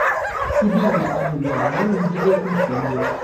Sibilla a Guglielmo non diede alcun figlio.